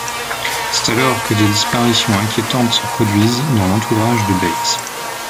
C'est alors que des disparitions inquiétantes se produisent dans l'entourage de Bates.